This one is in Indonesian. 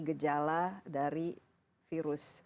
gejala dari virus